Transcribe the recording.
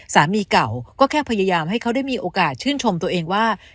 สามีเก่าก็แค่พยายามให้เขาได้มีโอกาสชื่นชมตัวเองว่า